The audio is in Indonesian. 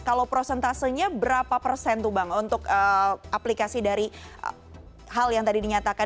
kalau prosentasenya berapa persen tuh bang untuk aplikasi dari hal yang tadi dinyatakan